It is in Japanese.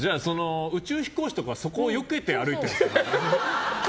宇宙飛行士とかはそこをよけて歩いてるの？